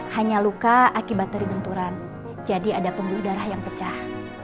hanya luka akibat teribenturan jadi ada pembuh darah yang pecah